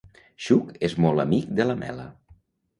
Xuc és molt amic de Lamela.